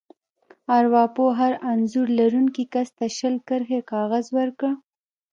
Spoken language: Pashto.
ارواپوه هر انځور لرونکي کس ته شل کرښې کاغذ ورکړ.